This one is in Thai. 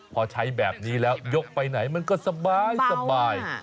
พอใช้แบบนี้แล้วยกไปไหนมันก็สบาย